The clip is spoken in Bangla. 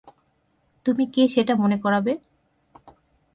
তুমি কে সেটা মনে করাবে?